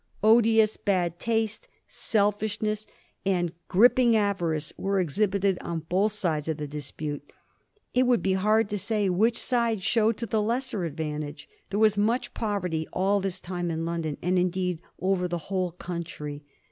Odious bad taste, self ishness, and griping avarice were exhibited on both sides of the dispute; it would be hard to say which side showed to the lesser advantage. There was much poverty all this time in London, and indeed over the whole country.